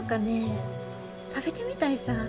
食べてみたいさ。